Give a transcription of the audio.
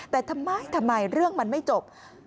แต่ทำไมทำไมเรื่องมันไม่จบ